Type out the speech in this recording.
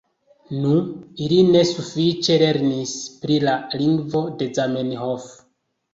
Nu, ili ne sufiĉe lernis pri la lingvo de Zamenhof.